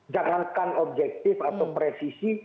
jarangkan objektif atau presisi